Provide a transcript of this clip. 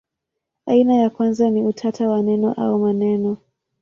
Aina ya kwanza ni utata wa neno au maneno.